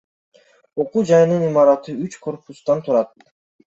Окуу жайынын имараты үч корпустан турат.